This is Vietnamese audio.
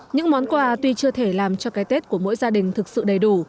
những món quà tuy chưa thể làm cho cái tết của mỗi gia đình thực sự đầy đủ